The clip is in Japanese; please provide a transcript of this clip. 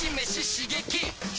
刺激！